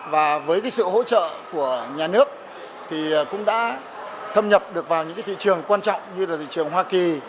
và với sự hỗ trợ của nhà nước thì cũng đã thâm nhập được vào những thị trường quan trọng như là thị trường hoa kỳ